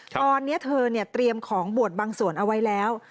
ตอนนี้เธอเตรียมของบวชบางส่วนเอาไว้แล้ว